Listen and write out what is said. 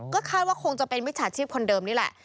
ก็คาดว่าคงจะเป็นมิจฉาชีพคนเดิมนี่แหละ